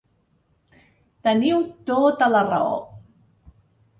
Teniu tota la raó.